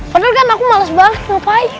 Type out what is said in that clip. padahal kan aku males banget mau main